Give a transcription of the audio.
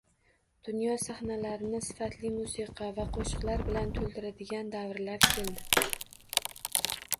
Dunyo sahnalarini sifatli musiqa va qo‘shiqlar bilan to‘ldiradigan davrlar keldi